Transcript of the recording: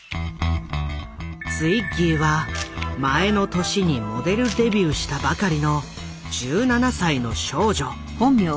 ツイッギーは前の年にモデルデビューしたばかりの１７歳の少女。